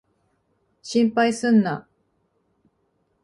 心配すんな。